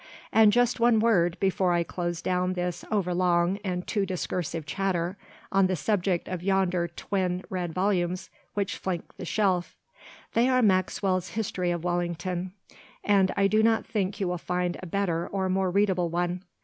And just one word, before I close down this over long and too discursive chatter, on the subject of yonder twin red volumes which flank the shelf. They are Maxwell's "History of Wellington," and I do not think you will find a better or more readable one.